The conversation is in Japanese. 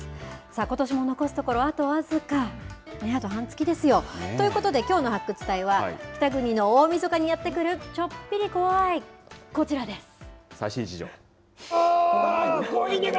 ことしも残すところ、あと僅か、あと半月ですよ。ということで、きょうの発掘隊は北国の大みそかにやって来る、ち最新事情。